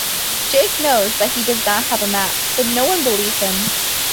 Jake knows that he does not have a map, but no one believes him.